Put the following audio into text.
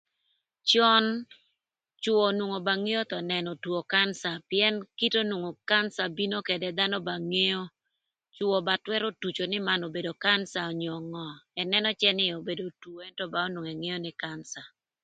Cön cwö onwongo ba ngeo nënö two kanca pïën kite onwongo kanca bino ködë dhanö ba ngeo, Cwö ba twërö tuco nï man obedo kanca onyo ngö ënënö cë nï obedo two ëntö ba onwongo engeo nï kanca.